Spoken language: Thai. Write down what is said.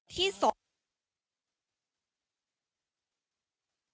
ที่สอง